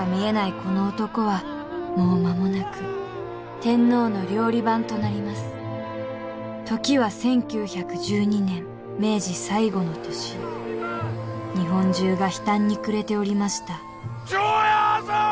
この男はもう間もなく天皇の料理番となります時は１９１２年明治最後の年日本中が悲嘆にくれておりましたじょやざあ！